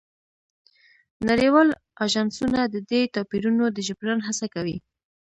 نړیوال اژانسونه د دې توپیرونو د جبران هڅه کوي